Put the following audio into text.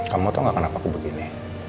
kamu tau gak kenapa aku begini